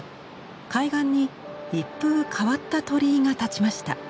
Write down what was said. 海岸に一風変わった鳥居が立ちました。